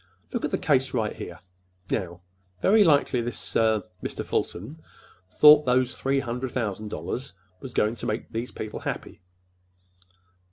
Look at the case right here. Now, very likely this—er—Mr. Fulton thought those three hundred thousand dollars were going to make these people happy.